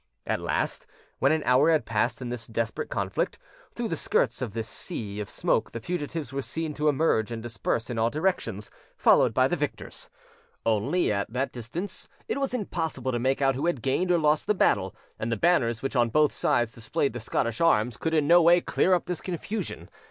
At last, when an hour had passed in this desperate conflict, through the skirts of this sea of smoke the fugitives were seen to emerge and disperse in all directions, followed by the victors. Only, at that distance, it was impossible to make out who had gained or lost the battle, and the banners, which on both sides displayed the Scottish arms, could in no way clear up this confusion.